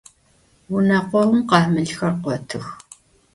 Vune khoğum khamılxer khotıx.